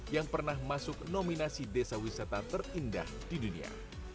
yang pernah masuk nominasi desa wisata terindah di dunia